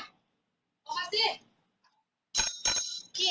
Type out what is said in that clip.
ออกมาสิ